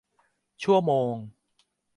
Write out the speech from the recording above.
ชั่วโมง